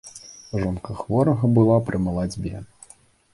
Жонка хворага была пры малацьбе.